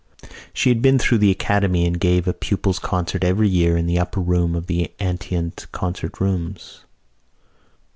She had been through the Academy and gave a pupils' concert every year in the upper room of the Antient Concert Rooms.